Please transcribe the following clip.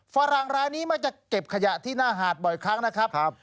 ฝรั่งรายนี้มักจะเก็บขยะที่หน้าหาดบ่อยครั้งนะครับ